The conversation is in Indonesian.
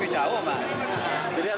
sementara nggak ada